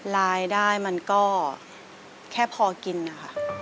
รายได้มันก็แค่พอกินนะคะ